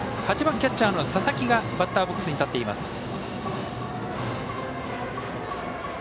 ８番キャッチャーの佐々木がバッターボックスに入っています。